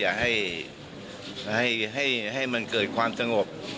อยากให้มันเกิดความสงบ